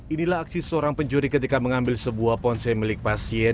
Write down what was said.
inilah aksi seorang pencuri ketika mengambil sebuah ponse milik pasien